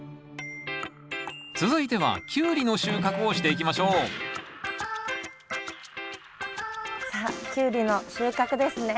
続いてはキュウリの収穫をしていきましょうさあキュウリの収穫ですね。